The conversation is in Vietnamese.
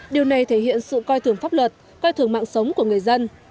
điều này thể hiện sự coi thường pháp luật coi thường mạng sống của người dân